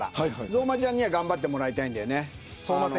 相馬ちゃんには頑張ってもらいたいんだよね。